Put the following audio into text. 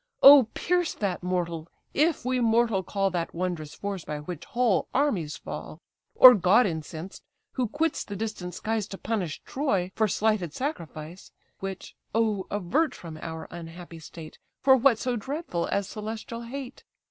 O pierce that mortal! if we mortal call That wondrous force by which whole armies fall; Or god incensed, who quits the distant skies To punish Troy for slighted sacrifice; (Which, oh avert from our unhappy state! For what so dreadful as celestial hate)?